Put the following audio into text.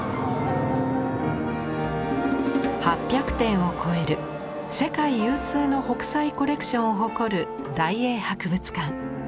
８００点を超える世界有数の北斎コレクションを誇る大英博物館。